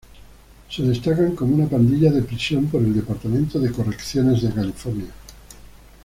Se destacan como una pandilla de prisión por el Departamento de Correcciones de California.